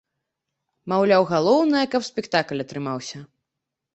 Маўляў, галоўнае, каб спектакль атрымаўся.